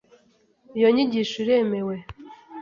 Iyo nyigisho iremewe.